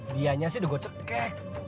dianya sih udah gue cekek